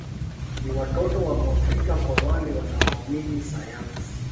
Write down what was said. Ni watoto wa Mwafrika kwa wale wanaoamini sayansi